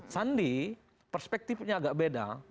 sandi perspektifnya agak beda